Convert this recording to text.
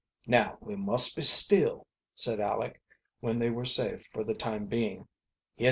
"Now we must be still," said Aleck, when they were safe for the time being. "Hear dem a conun' dis way."